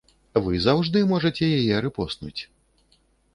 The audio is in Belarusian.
Вы заўжды можаце яе рэпостнуць.